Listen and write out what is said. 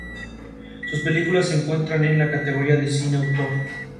Sus películas se encuentran en la categoría de cine de autor.